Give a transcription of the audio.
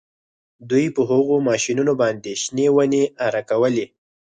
دوی په هغو ماشینونو باندې شنې ونې اره کولې